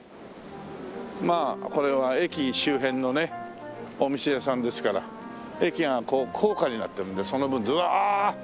まあこれは駅周辺のねお店屋さんですから駅が高架になってるんでその分ああ